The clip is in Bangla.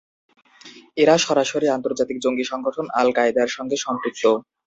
এরা সরাসরি আন্তর্জাতিক জঙ্গি সংগঠন আল-কায়েদার সঙ্গে সম্পৃক্ত।